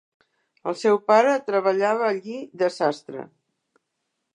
El seu pare treballava allí de sastre.